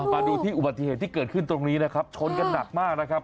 มาดูที่อุบัติเหตุที่เกิดขึ้นตรงนี้นะครับชนกันหนักมากนะครับ